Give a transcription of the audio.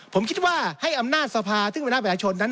ผมคิดว่าให้อำนาจสภาซึ่งเป็นหน้าประชาชนนั้น